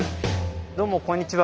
どうもこんにちは。